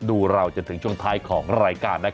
เราจนถึงช่วงท้ายของรายการ